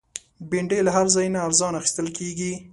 بېنډۍ له هر ځای نه ارزانه اخیستل کېږي